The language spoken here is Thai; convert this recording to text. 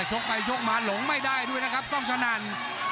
ชกไปชกมาหลงไม่ได้ด้วยนะครับกล้องสนั่น